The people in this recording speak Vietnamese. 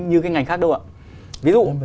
như cái ngành khác đâu ạ ví dụ